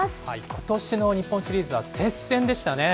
ことしの日本シリーズは接戦でしたね。